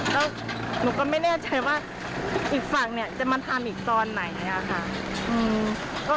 แล้วหนูก็ไม่แน่ใจว่าอีกฝั่งเนี่ยจะมาทำอีกตอนไหนค่ะ